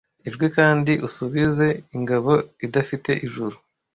Ijwi kandi usubize ingabo idafite ijuru